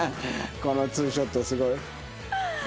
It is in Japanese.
このツーショットすごい。